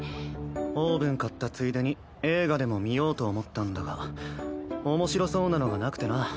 オーブン買ったついでに映画でも見ようと思ったんだが面白そうなのがなくてな。